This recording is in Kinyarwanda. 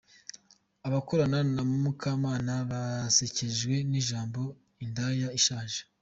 Abakorana na Mukamana basekejwe n'ijambo 'Indaya Ishaje'.